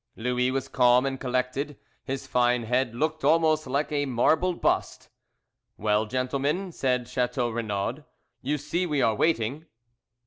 Louis was calm and collected, his fine head looked almost like a marble bust. "Well, gentlemen," said Chateau Renaud, "you see we are waiting."